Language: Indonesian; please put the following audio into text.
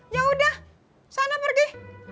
yaudah sana pergi